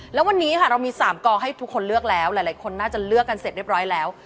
แล้ววันนี้ค่ะเรามี๓กองให้ทุกคนเลือกแล้วหลายคนน่าจะเลือกกันเสร็จเรียบร้อยแล้ว